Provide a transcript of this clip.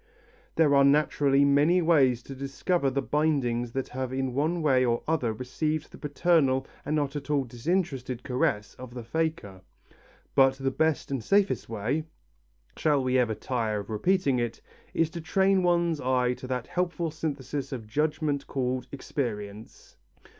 There are naturally many ways to discover the bindings that have in one way or other received the paternal and not at all disinterested caress of the faker, but the best and safest way shall we ever tire of repeating it is to train one's eye to that helpful synthesis of judgment called experience.